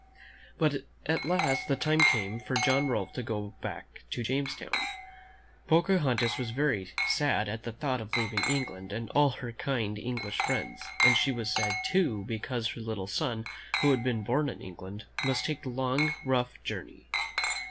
But at last the time came for John Rolfe to go back to Jamestown. Pocahontas was very sad at the thought of leaving England and all her kind English friends, and she was sad, too, because her little son, who had been born in England, must take the long, rough journey.